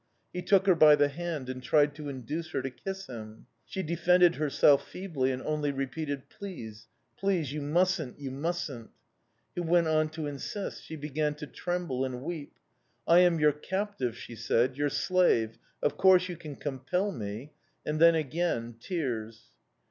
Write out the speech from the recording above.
"He took her by the hand and tried to induce her to kiss him. She defended herself feebly, and only repeated: 'Please! Please! You mustn't, you mustn't!' "He went on to insist; she began to tremble and weep. "'I am your captive,' she said, 'your slave; of course, you can compel me.' "And then, again tears.